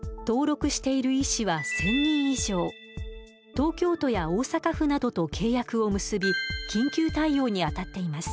東京都や大阪府などと契約を結び緊急対応にあたっています。